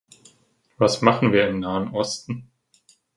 Was machen wir im Nahen Osten?